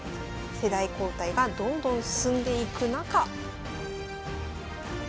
世代交代がどんどん進んでいく中。